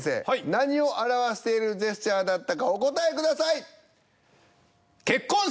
何を表しているジェスチャーだったかお答えください。